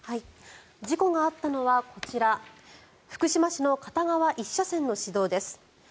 事故があったのはこちら、福島市の片側１車線の市道です。